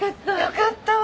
よかったわ。